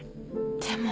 でも。